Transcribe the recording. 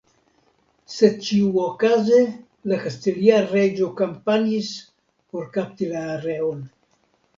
Sed ĉiuokaze la kastilia reĝo kampanjis por kapti la areon.